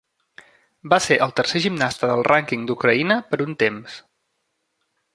Va ser el tercer gimnasta del rànquing d'Ucraïna per un temps